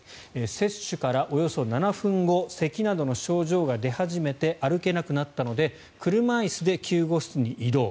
接種からおよそ７分後せきなどの症状が出始めて歩けなくなったので車椅子で救護室に移動。